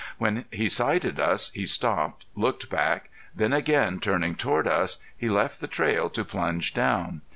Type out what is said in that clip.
When he sighted us he stopped, looked back, then again turning toward us, he left the trail to plunge down.